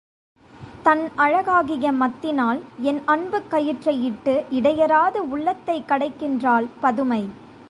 தன் அழகாகிய மத்தினால் என் அன்புக் கயிற்றை இட்டு இடையறாது உள்ளத்தைக் கடைகின்றாள் பதுமை.